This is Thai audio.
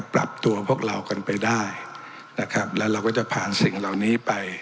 ปรับตัวพวกเรากันไปได้นะครับแล้วเราก็จะผ่านสิ่งเหล่านี้ไป